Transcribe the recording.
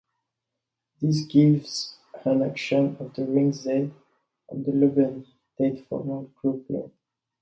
This gives an action of the ring Z on the Lubin-Tate formal group law.